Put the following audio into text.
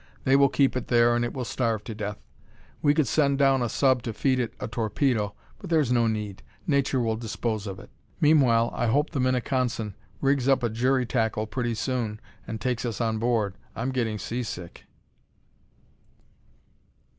They will keep it there and it will starve to death. We could send down a sub to feed it a torpedo, but there's no need. Nature will dispose of it. Meanwhile, I hope the Minneconsin rigs up a jury tackle pretty soon and takes us on board. I'm getting seasick."